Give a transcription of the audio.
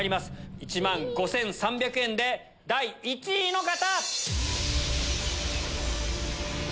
１万５３００円で第１位の方！